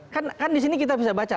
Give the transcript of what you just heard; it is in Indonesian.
kan di sini kita bisa baca